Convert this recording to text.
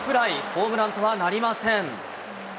ホームランとはなりません。